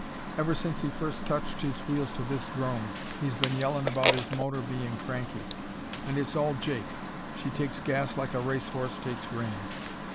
Ever since he first touched his wheels to this 'drome he's been yellin' about his motor bein' cranky. And it's all jake. She takes gas like a race horse takes rein."